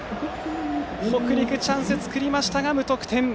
北陸、チャンス作りましたが無得点。